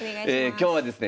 今日はですね